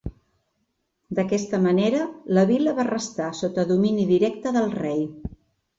D'aquesta manera, la vila va restar sota domini directe del rei.